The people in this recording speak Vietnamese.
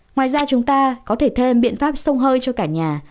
ngoài ra chúng ta có thể thêm biện pháp sông hơi cho cả nhà